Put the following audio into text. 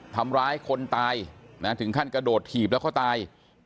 ทำร้ายคนตายถึงขั้นกระโดดถีบแล้วเขาตาย